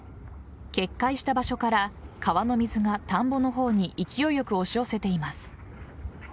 決壊した場所から川の水が田んぼの方に勢いよく押し寄せています。